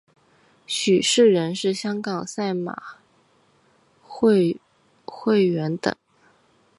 许仕仁是香港赛马会会员等。